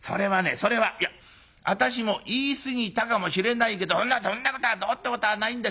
それは私も言い過ぎたかもしれないけどそんなことはどうってことはないんだよ。